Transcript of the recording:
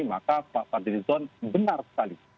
maka pak fadly lizon benar sekali